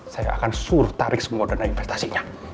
saya akan suruh tarik semua dana investasinya